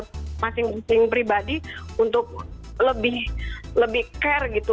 lagi ke diri personal masing masing pribadi untuk lebih lebih care gitu